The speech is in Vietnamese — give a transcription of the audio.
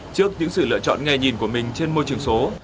trước những sự lựa chọn nghe nhìn của mình trên môi trường số